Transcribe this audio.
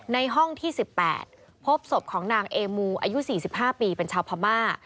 ในห้องที่๑๘พบศพของนางเอมูอายุ๔๕ปีเป็นชาวพม่า